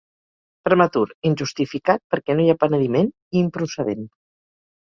Prematur, injustificat perquè no hi ha penediment, i improcedent.